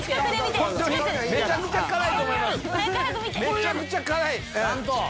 めちゃくちゃ辛い。